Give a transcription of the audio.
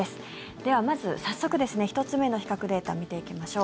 ではまず、早速１つ目の比較データを見ていきましょう。